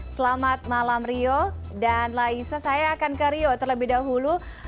selamat malam rio dan laisa saya akan ke rio terlebih dahulu